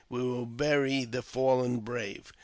We will bury the fallen brave."